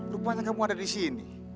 rupanya kamu ada di sini